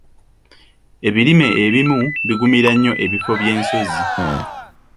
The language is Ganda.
Ebirime ebimu bigumira nnyo ebifo by'ensozi.